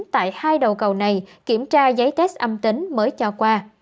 tại hai đầu cầu này kiểm tra giấy test âm tính mới cho qua